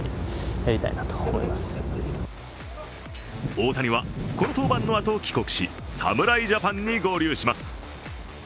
大谷は、この登板のあと帰国し侍ジャパンに合流します。